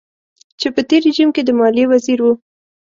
چې په تېر رژيم کې د ماليې وزير و.